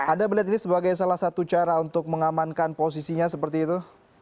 anda melihat ini sebagai salah satu cara untuk mengamankan posisinya seperti itu